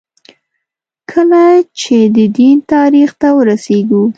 کله چې د دین تاریخ ته وررسېږو.